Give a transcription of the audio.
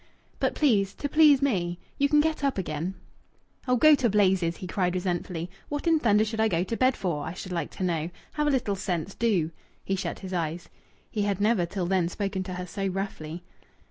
"But please! To please me! You can get up again." "Oh, go to blazes!" he cried resentfully. "What in thunder should I go to bed for, I should like to know? Have a little sense, do!" He shut his eyes. He had never till then spoken to her so roughly.